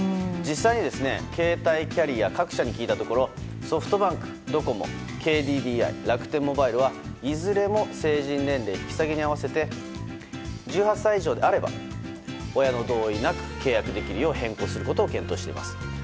実際に携帯キャリアの各社に聞いたところソフトバンク、ドコモＫＤＤＩ、楽天モバイルはいずれも成人年齢引き下げに合わせて１８歳以上であれば親の同意なく契約できるよう変更することを検討するとしています。